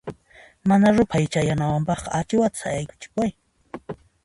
Mana ruphay chayanawanpaqqa achiwata sayaykachipuway.